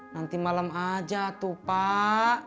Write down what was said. nanti malam aja tuh pak